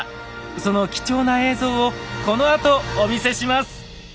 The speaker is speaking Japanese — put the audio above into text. その貴重な映像をこのあとお見せします！